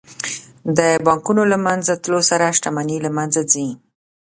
د بانکونو له منځه تلو سره شتمني له منځه ځي